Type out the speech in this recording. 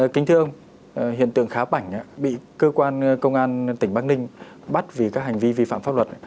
kính thưa ông hiện tượng khá bảnh bị cơ quan công an tỉnh bắc ninh bắt vì các hành vi vi phạm pháp luật